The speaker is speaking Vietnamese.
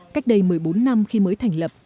cách đây một mươi bốn năm khi mới thành lập